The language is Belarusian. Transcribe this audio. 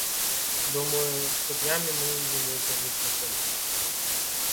Думаю, што днямі мы яе недзе выкладзем.